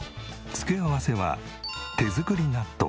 付け合わせは手作り納豆？